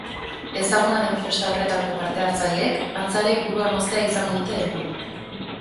Ezaguna den festa horretako parte-hartzaileek antzarei burua moztea izango dute helburu.